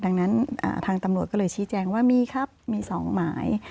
ดังนั้นทางตำรวจก็เลยชี้แจงว่ามีครับมี๒หมาย